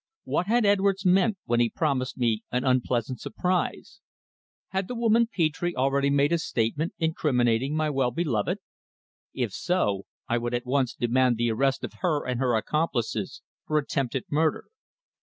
What had Edwards meant when he promised me an unpleasant surprise? Had the woman Petre already made a statement incriminating my well beloved? If so, I would at once demand the arrest of her and her accomplices for attempted murder.